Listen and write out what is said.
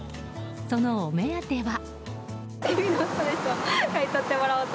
そのお目当ては。